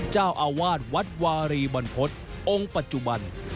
เจ้าอาวาสวัดวารีบรรพฤษองค์ปัจจุบัน